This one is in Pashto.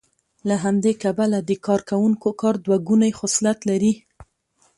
له همدې کبله د کارکوونکو کار دوه ګونی خصلت لري